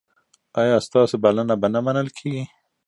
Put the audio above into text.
ایا ستاسو بلنه به نه منل کیږي؟